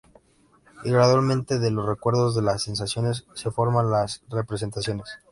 Y gradualmente, de los recuerdos de las sensaciones se forman las representaciones.